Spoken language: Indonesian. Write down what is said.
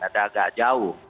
ada agak jauh